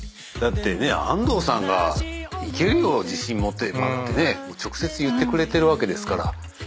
だってね安藤さんが「いけるよ！自信持てば」ってね直接言ってくれてるわけだから。